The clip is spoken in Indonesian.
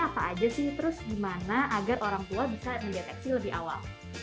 agar orang tua bisa mendeteksi lebih awal